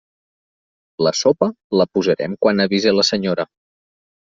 La sopa la posarem quan avise la senyora.